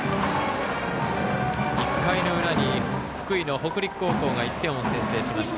１回の裏に福井の北陸高校が１点を先制しました。